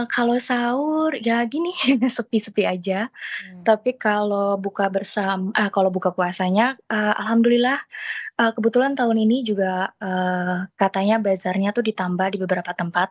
kalau sahur ya gini hanya sepi sepi aja tapi kalau buka puasanya alhamdulillah kebetulan tahun ini juga katanya bazarnya itu ditambah di beberapa tempat